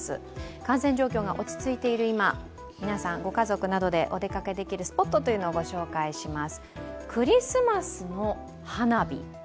感染状況が落ち着いている今、皆さんご家族でお出かけできるスポットをご紹介します。